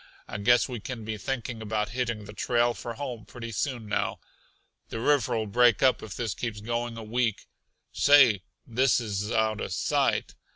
I guess we can be thinking about hitting the trail for home pretty soon now. The river'll break up if this keeps going a week. Say, this is out uh sight!